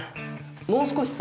もう少しさ